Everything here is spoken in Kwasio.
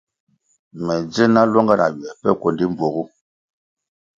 Me dzil na luanga na ywe pe kuendi mbpuogu.